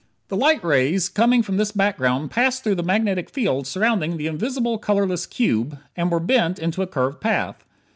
The light rays coming from this background passed through the magnetic field surrounding the invisible colorless cube, and were bent into a curved path.